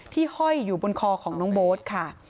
ห้อยอยู่บนคอของน้องโบ๊ทค่ะ